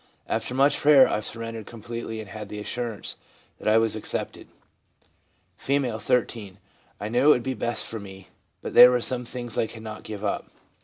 After much prayer I surrendered completely, and had the assurance that I was accepted.' R, 13. ' I knew it would be best for me, but there were some things I could not give up.